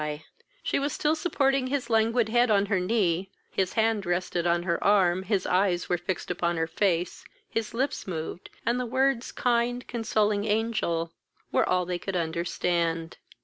She was still supporting his languid head on her knee; his hand rested on her arm, his eyes were fixed upon her face, his lips moved, and the words "kind, consoling angel: were all they could understand.